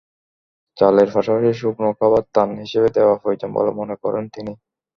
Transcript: চালের পাশাপাশি শুকনো খাবার ত্রাণ হিসেবে দেওয়া প্রয়োজন বলে মনে করেন তিনি।